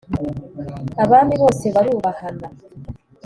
Abami bose barubahana.